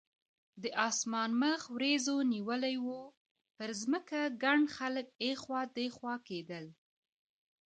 د اسمان مخ وریځو نیولی و، پر ځمکه ګڼ خلک اخوا دیخوا کېدل.